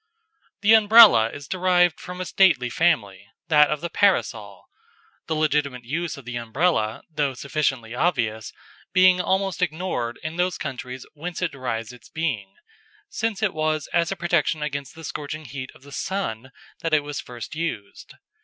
The Umbrella is derived from a stately family, that of the Parasol, the legitimate use of the Umbrella, though sufficiently obvious, being almost ignored in those countries whence it derives its being, since it was as a protection against the scorching heat of the sun that it was first used.